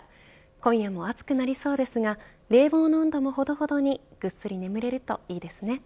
今夜も暑くなりそうですが冷房の温度もほどほどにぐっすり眠れるといいですね。